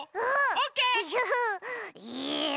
オッケー！